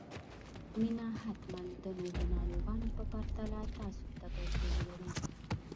مينه حتماً د نورو ناروغانو په پرتله تاسو ته توپير لري